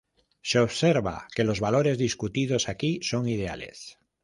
Se observa que los valores discutidos aquí son ideales.